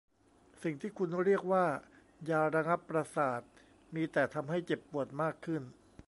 สิ่งที่คุณเรียกว่ายาระงับประสาทมีแต่ทำให้เจ็บปวดมากขึ้น